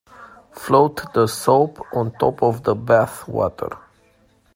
Float the soap on top of the bath water.